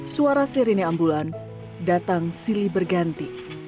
suara sirine ambulans datang silih berganti